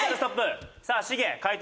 さあシゲ解答